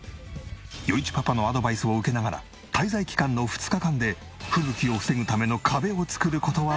余一パパのアドバイスを受けながら滞在期間の２日間で吹雪を防ぐための壁を作る事はできるのか？